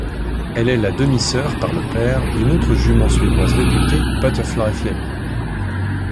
Elle est la demi-sœur par le père d'une autre jument suédoise réputée, Butterfly Flip.